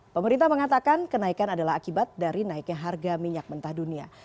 pemerintah mengatakan kenaikan adalah akibat dari naiknya harga minyak mentah dunia